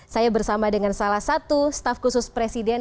saya bersama dengan salah satu staff khusus presiden